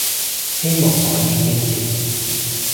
希望可以堅持